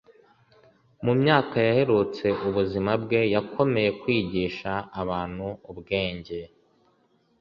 mu myaka yaherutse ubuzima bwe yakomeye kwigisha abantu ubwenge